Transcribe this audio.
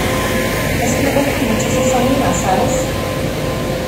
es que me cuesta mucho ser su amiga, ¿ sabes?